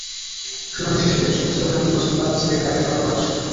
শুনানি শেষে জ্যেষ্ঠ বিচারিক হাকিম মাসুদ পারভেজ তাঁকে কারাগারে পাঠানোর আদেশ দেন।